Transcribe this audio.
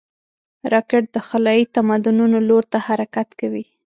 راکټ د خلایي تمدنونو لور ته حرکت کوي